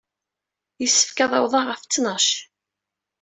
Yessefk ad taweḍ ɣef ttnac.